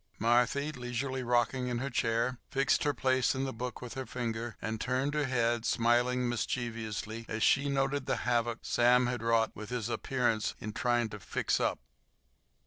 Marthy, leisurely rocking in her chair, fixed her place in the book with her finger, and turned her head, smiling mischievously as she noted the havoc Sam had wrought with his appearance in trying to "fix up."